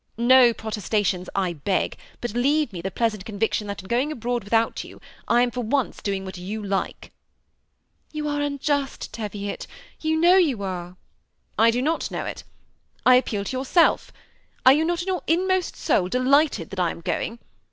No protestations, I beg, but leave n^e the pleasant conviction that in going THE SEMI ATTACHED COUPLE. 207 abroad . without you, I am for once doiug what you like." ".You are unjust, Teviot, you know you are." ^' I do not know it. I appeal to yourself. Are you not in your inmost soul delighted that I am going?